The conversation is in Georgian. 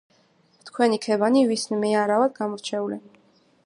ვთქვენი ქებანი ვისნი მე არ-ავად გამორჩეული